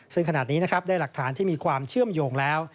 ซึ่งขณะนี้นะครับได้หลักฐานที่มีความเชื่อมโยงแล้ว